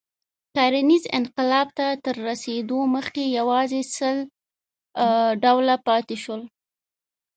کرنیز انقلاب ته تر رسېدو مخکې یواځې سل ډوله پاتې شول.